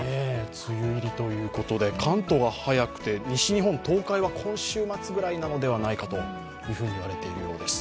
梅雨入りということで、関東が早くて、西日本、東海は今週末ぐらいなのではないかと言われているようです。